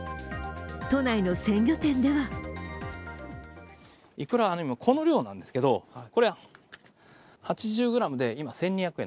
都内の鮮魚店ではいくら、この量なんですけど８０ｇで１２００円。